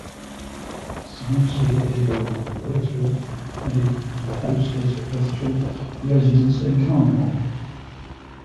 Sanusi Ado later made the house his official residence in Kano.